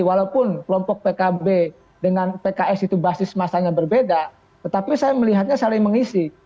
walaupun kelompok pkb dengan pks itu basis masanya berbeda tetapi saya melihatnya saling mengisi